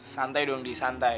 santai dong di santai